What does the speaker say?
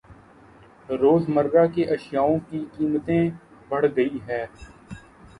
روز مرہ کے اشیاوں کی قیمتیں بڑھ گئ ہے۔